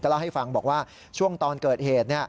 เล่าให้ฟังบอกว่าช่วงตอนเกิดเหตุ